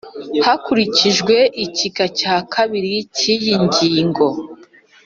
hakurikijwe igika cya kabiri cy iyi ngingo